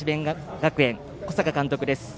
学園小坂監督です。